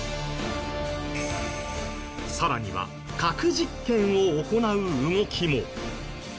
さらには核実験を行う動きも。